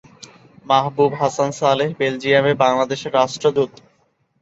মাহবুব হাসান সালেহ বেলজিয়ামে বাংলাদেশের রাষ্ট্রদূত।